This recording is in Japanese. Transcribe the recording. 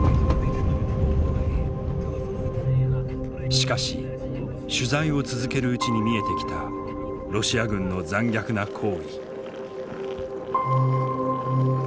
しかし取材を続けるうちに見えてきたロシア軍の残虐な行為。